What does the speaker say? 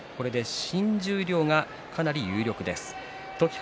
新十両はかなり有力です。